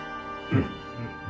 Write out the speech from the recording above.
うん。